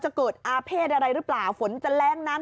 หาสสหาวเดหน้า